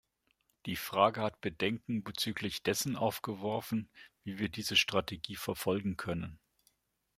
Die Frage hat Bedenken bezüglich dessen aufgeworfen, wie wir diese Strategie verfolgen können.